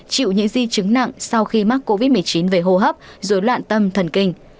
chịu những di chứng nặng sau khi mắc covid một mươi chín về hô hấp dối loạn tâm thần kinh